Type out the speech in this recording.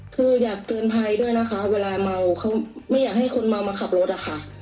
คืออยากเตือนภัยด้วยนะคะเวลาเมาเขาไม่อยากให้คนเมามาขับรถอะค่ะ